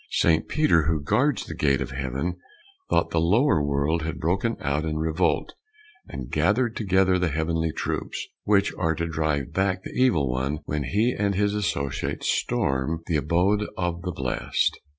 Saint Peter who guards the gate of heaven thought the lower world had broken out in revolt and gathered together the heavenly troops, which are to drive back the Evil One when he and his associates storm the abode of the blessed.